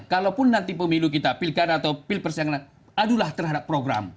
kalaupun nanti pemilu kita pilkan atau pil persiangan adulah terhadap program